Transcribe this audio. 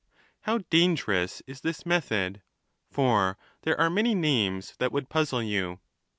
How dangerous is this method ! for there are many names would puzzle you.